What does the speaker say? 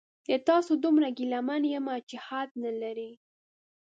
د تاسو دومره ګیله من یمه چې حد نلري